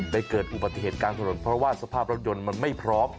เกิดอุบัติเหตุกลางถนนเพราะว่าสภาพรถยนต์มันไม่พร้อม